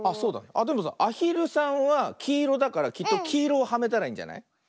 あっでもさアヒルさんはきいろだからきっときいろをはめたらいいんじゃない？